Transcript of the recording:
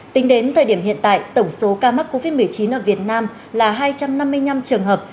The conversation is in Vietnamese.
tính đến thời điểm hiện tại tổng số ca mắc covid một mươi chín ở việt nam là hai trăm năm mươi năm trường hợp